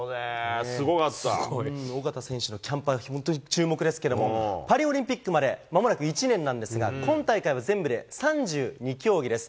緒方選手のキャンパ、本当に注目ですけれども、パリオリンピックまでまもなく１年なんですが、今大会は全部で３２競技です。